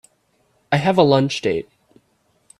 I have a lunch date.